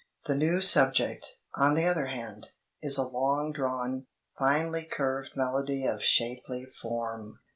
The new subject, on the other hand, is a long drawn, finely curved melody of shapely form....